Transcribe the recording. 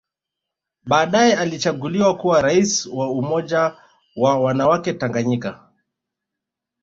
Baadae alichaguliwa kuwa Rais wa Umoja wa wanawake Tanganyika